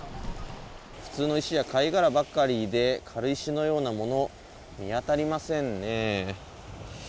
普通の石や貝殻ばかりで、軽石のようなもの、見当たりませんね。